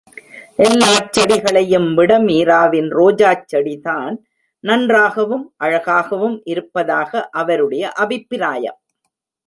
எல்லாச் செடிகளையும் விட மீராவின் ரோஜாச் செடிதான் நன்றாகவும் அழகாகவும் இருப்பதாக அவருடைய அபிப்பிராயம்.